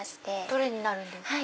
どれになるんですか？